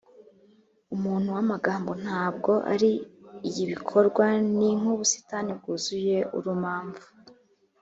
umuntu wamagambo ntabwo ari ibikorwa ni nkubusitani bwuzuye urumamfu.